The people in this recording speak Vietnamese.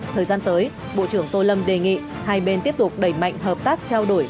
thời gian tới bộ trưởng tô lâm đề nghị hai bên tiếp tục đẩy mạnh hợp tác trao đổi